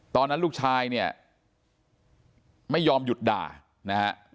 ตอนนั้นลูกชายเนี่ยไม่ยอมหยุดด่านะฮะ